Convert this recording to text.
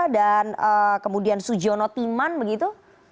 dan kemudian sujiono timan begitu